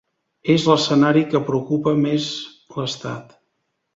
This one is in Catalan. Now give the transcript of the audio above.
És l’escenari que preocupa més l’estat.